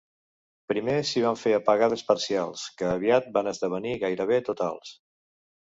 Primer s’hi van fer apagades parcials, que aviat van esdevenir gairebé totals.